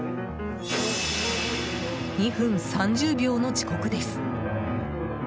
２分３０秒の遅刻です。